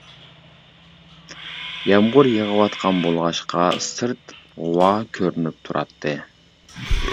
يامغۇر يېغىۋاتقان بولغاچقا سىرت غۇۋا كۆرۈنۈپ تۇراتتى.